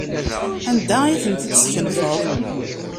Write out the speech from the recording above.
Anda ay tent-id-teskenfeḍ?